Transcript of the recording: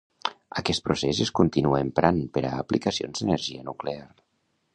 Aquest procés es continua emprant per a aplicacions d'energia nuclear.